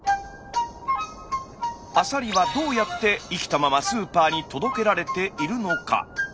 アサリはどうやって生きたままスーパーに届けられているのか？